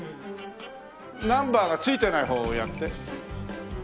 ナンバーが付いてない方をやって。